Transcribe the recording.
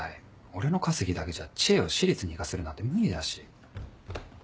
俺の稼ぎだけじゃ知恵を私立に行かせるなんて無理だし。